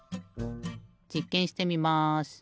じっけんしてみます。